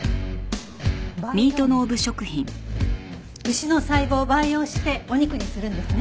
牛の細胞を培養してお肉にするんですね。